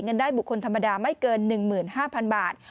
ได้บุคคลธรรมดาไม่เกิน๑๕๐๐๐บาท